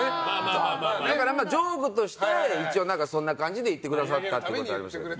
だから、ジョークとして一応そんな感じで言ってくださったんだと思うんですけど。